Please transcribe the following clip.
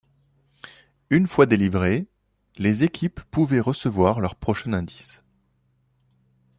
Une fois délivrées, les équipes pouvaient recevoir leur prochain indice.